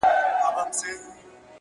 دا عجیب منظرکسي ده- وېره نه لري امامه-